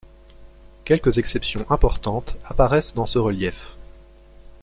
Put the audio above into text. Quelques exceptions importantes apparaissent dans ce relief.